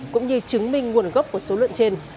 cũng như chứng minh nguồn gốc của số lượng trên